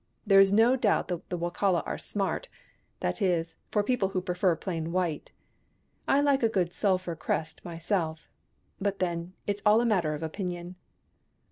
There is no doubt that the Wokala are smart— that is, for people who prefer plain white. I like a good sulphur crest myself — but then, it's all a matter of opinion."